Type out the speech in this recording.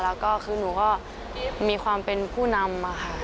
แล้วก็คือหนูก็มีความเป็นผู้นำค่ะ